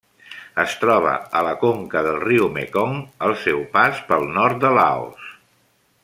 Es troba a la conca del riu Mekong al seu pas pel nord de Laos.